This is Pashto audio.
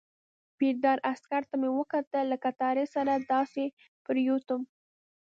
پیره دار عسکر ته مې وکتل، له کټارې سره داسې پرېوتم.